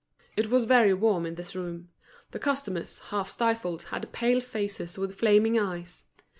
It was very warm in this room. The customers, half stifled, had pale faces with flaming eyes.